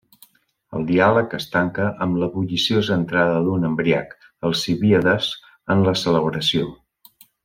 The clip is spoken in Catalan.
El diàleg es tanca amb la bulliciosa entrada d'un embriac, Alcibíades, en la celebració.